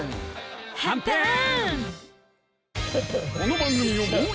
「はんぺーん」